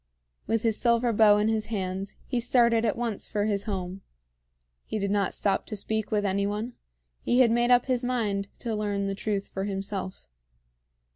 With his silver bow in his hands he started at once for his home. He did not stop to speak with any one; he had made up his mind to learn the truth for himself.